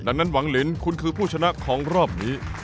ดังนั้นหวังลินคุณคือผู้ชนะของรอบนี้